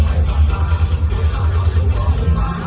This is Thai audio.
สาวพลักษณ์แหละภาวะเข้าข้าง